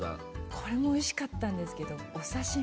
これもおいしかったんですけど。